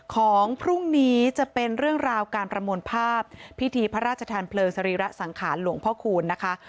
ของพรุ่งนี้จะเป็นเรื่องราวการประมวลภาพพิธีพระราชทานเพลิงสรีระสังขารหลวงพ่อคูณนะคะ